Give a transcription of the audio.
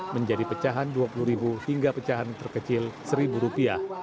menjadi pecahan rp dua puluh hingga pecahan terkecil rp satu